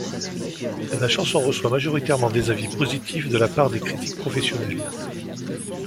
La chanson reçoit majoritairement des avis positifs de la part des critiques professionnelles.